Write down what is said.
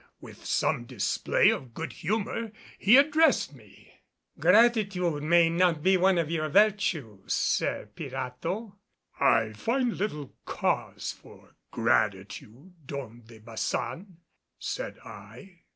With some display of good humor he addressed me: "Gratitude may not be one of your virtues, Sir Pirato." "I find little cause for gratitude, Don de Baçan," said I.